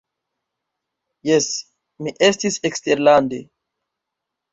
Jes, mi estis eksterlande.